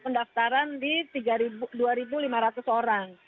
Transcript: pendaftaran di dua lima ratus orang